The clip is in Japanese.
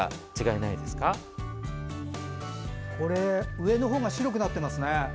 上のほうが白くなってます。